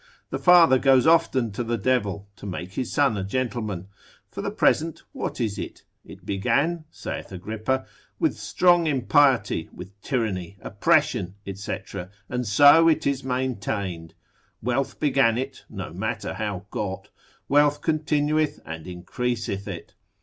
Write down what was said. The father goes often to the devil, to make his son a gentleman. For the present, what is it? It began (saith Agrippa) with strong impiety, with tyranny, oppression, &c. and so it is maintained: wealth began it (no matter how got), wealth continueth and increaseth it.